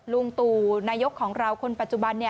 ลุงตู่นายกของเราคนปัจจุบัน